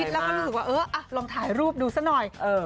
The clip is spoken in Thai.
แล้วก็รู้สึกว่าเออลองถ่ายรูปดูซะหน่อย